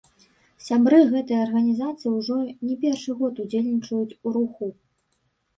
Сябры гэтай арганізацыі ўжо не першы год удзельнічаюць у руху.